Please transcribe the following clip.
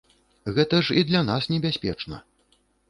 Гэта ж і для нас небяспечна.